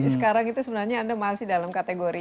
sekarang itu sebenarnya anda masih dalam kategori